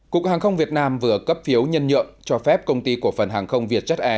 cục hàng không việt nam vừa cấp phiếu nhân nhượng cho phép công ty của phần hàng không việt chất e